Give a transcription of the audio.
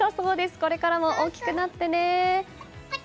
これからも大きくなってね。